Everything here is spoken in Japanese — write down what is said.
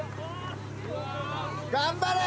頑張れ！